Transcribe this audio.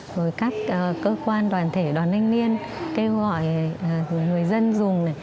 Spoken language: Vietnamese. rồi các cơ quan đoàn thể đoàn anh niên kêu gọi người dân dùng